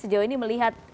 dan apapun itu mungkin ya